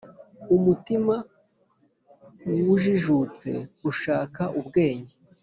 Umutima w ujijutse ushaka ubwenge